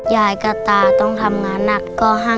ยายก็ตาต้องทำงานหนักขึ้น